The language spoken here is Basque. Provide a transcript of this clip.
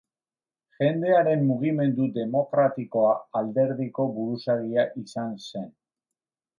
Jendearen Mugimendu Demokratikoa alderdiko buruzagia izan zen.